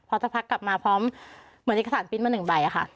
เขาจะพักกลับมาพร้อมเหมือนลิขสารปริ้นต์มาหนึ่งใบอ่ะค่ะค่ะ